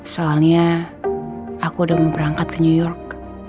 soalnya aku udah mau berangkat ke new york